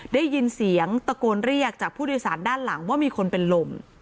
ได้ยินเสียงตะโกนเรียกจากผู้โดยสารด้านหลังว่ามีคนเป็นลม